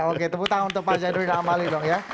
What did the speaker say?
oke tepuk tangan untuk pak zainuddin amali dong ya